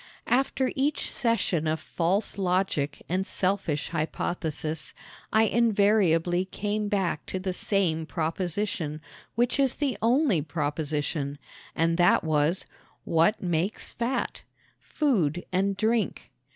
After each session of false logic and selfish hypothesis I invariably came back to the same proposition, which is the only proposition and that was: What makes fat? Food and drink.